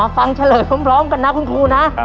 เฉลยพร้อมกันนะคุณครูนะ